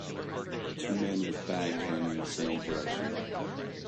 Two men with bags run in the same direction.